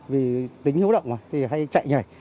vì tính hiếu động thì hay chạy nhảy